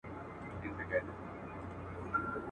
درد او غم به مي سي هېر ستا له آوازه.